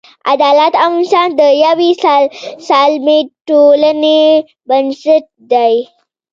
عدالت او انصاف د یوې سالمې ټولنې بنسټ دی.